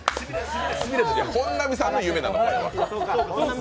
本並さんの夢なの、これは。